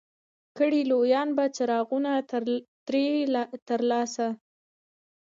کړي لویان به څراغونه ترې ترلاسه